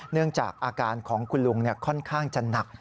เนื่องจากอาการของคุณลุงค่อนข้างจะหนัก